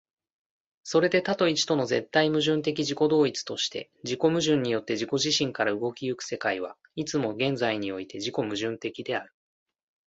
それで多と一との絶対矛盾的自己同一として、自己矛盾によって自己自身から動き行く世界は、いつも現在において自己矛盾的である。